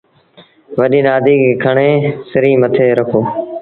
وڏيٚ نآديٚ کي کڻي سريٚݩ مٿي رکو۔